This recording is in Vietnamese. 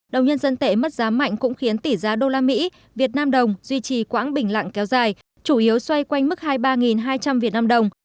đồng nhân dân tệ mất giá mạnh cũng khiến tỷ giá đô la mỹ việt nam đồng duy trì quãng bình lặng kéo dài chủ yếu xoay quanh mức hai mươi ba hai trăm linh vnđ